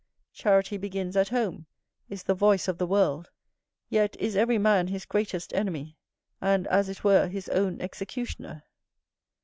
"Charity begins at home," is the voice of the world; yet is every man his greatest enemy, and as it were his own executioner.